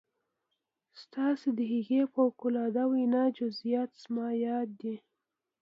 ستاسې د هغې فوق العاده وينا جزئيات زما ياد دي.